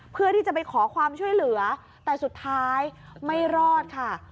เพื่อที่จะไปขอความช่วยเหลือแต่สุดท้ายไม่รอดค่ะ